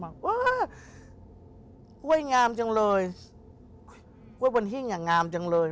กล้วยงามจังเลย